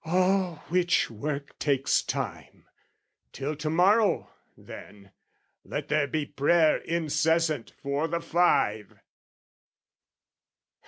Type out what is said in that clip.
"All which work takes time: till to morrow, then, "Let there be prayer incessant for the five!"